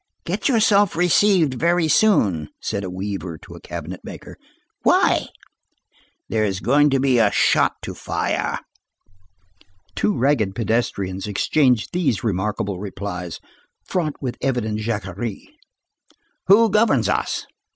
"Get yourself received very soon," said a weaver to a cabinet maker. "Why?" "There is going to be a shot to fire." Two ragged pedestrians exchanged these remarkable replies, fraught with evident Jacquerie:— "Who governs us?"